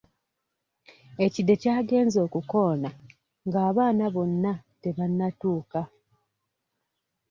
Ekide ky'agenze okukoona nga abaana bonna tebannatuuka.